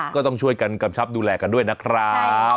ก็ต้องช่วยกันกำชับดูแลกันด้วยนะครับ